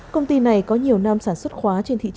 công ty này có nhiều năm sản xuất khóa